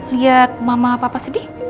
lihat mama papa sedih